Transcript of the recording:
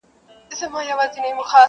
په صفت مړېده نه وه د ټوكرانو!.